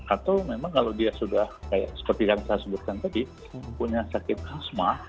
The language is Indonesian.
atau memang kalau dia sudah seperti yang saya sebutkan tadi punya sakit asma